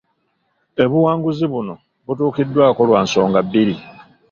Ebuwanguzi buno butuukiddwako lwa nsonga bbiri.